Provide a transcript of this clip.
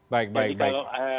baik baik baik